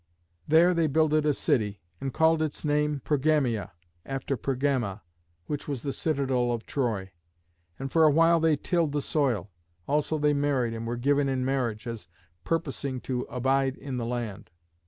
There they builded a city, and called its name Pergamea, after Pergama, which was the citadel of Troy. And for a while they tilled the soil; also they married and were given in marriage, as purposing to abide in the land.